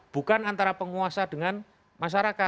bukan antara penguasa dengan masyarakat